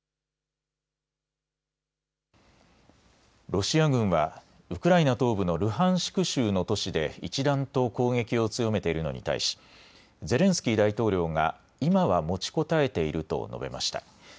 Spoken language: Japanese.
ロシア軍はウクライナ東部のルハンシク州の都市で一段と攻撃を強めているのに対しゼレンスキー大統領が今は持ちこたえていると述べました。